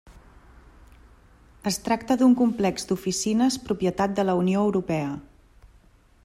Es tracta d'un complex d'oficines propietat de la Unió Europea.